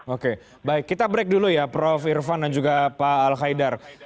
oke baik kita break dulu ya prof irfan dan juga pak al qaidar